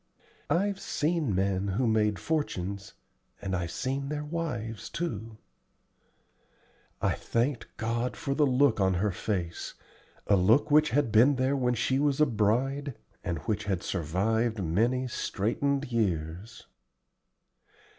"I've seen men who made fortunes, and I've seen their wives too." I thanked God for the look on her face a look which had been there when she was a bride, and which had survived many straitened years.